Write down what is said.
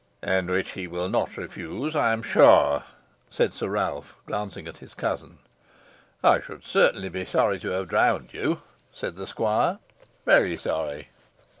"And which he will not refuse, I am sure," said Sir Ralph, glancing at his cousin. "I should certainly be sorry to have drowned you," said the squire "very sorry."